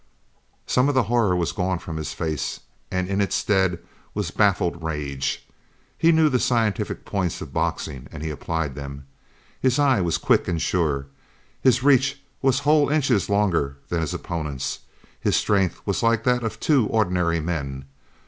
Some of the horror was gone from his face and in its stead was baffled rage. He knew the scientific points of boxing, and he applied them. His eye was quick and sure. His reach was whole inches longer than his opponent's. His strength was that of two ordinary men.